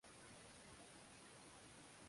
baadhi vigogo wa chama cha mapinduzi ccm hasa